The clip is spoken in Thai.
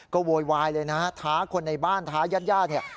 ก็โวยวายเลยนะฮะท้าคนในบ้านท้ายับญาติเนี่ย